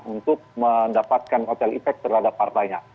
untuk mendapatkan hotel efek terhadap partainya